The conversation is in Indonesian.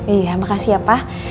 iya makasih ya pak